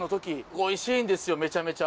おいしいんですよめちゃめちゃ。